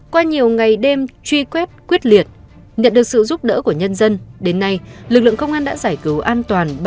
qua nhiều ngày đêm truy quét quyết liệt nhận được sự giúp đỡ của nhân dân đến nay lực lượng công an đã giải cứu an toàn